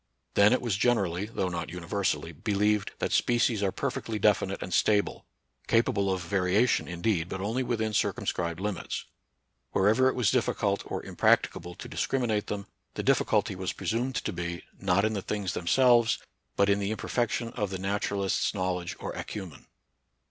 Then it was gen erally, though not universally, believed that spe cies are perfectly definite and stable; capable of variation, indeed, but only within circumscribed limits. Wherever it was difl&cult or impractica ble to discriminate them, the difficulty was pre 38 NATURAL SCIENCE AND RELIGION. sumed to be, not in the things themselves, but in the imperfection of the naturaUst's knowl edge or acmnen.